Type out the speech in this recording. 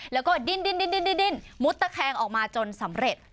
แล้วก็ดิ้นมุดตะแคงออกมาจนสำเร็จ